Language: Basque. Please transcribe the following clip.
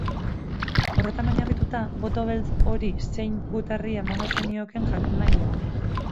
Horretan oinarrituta, boto beltz hori zein gutarri emango zeniokeen jakin nahi dugu.